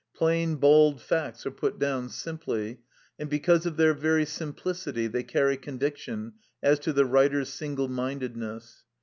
Plain, bald facts are put down simply, and because of their very simplicity they carry con viction as to the writers' single mindedness.